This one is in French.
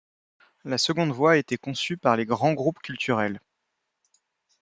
La seconde voie a été conçue par les grands groupes culturels.